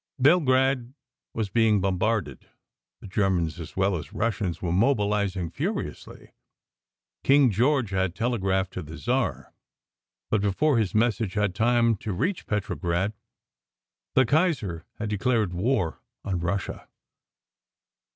Belgrade was being bombarded. The Germans as well as Russians were mobilizing furiously. King George had telegraphed to the Czar, but before his message had time to reach Petrograd, the Kaiser had de clared war on Russia.